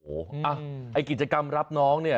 โอ้โหไอ้กิจกรรมรับน้องเนี่ย